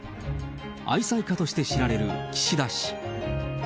愛妻家として知られる岸田氏。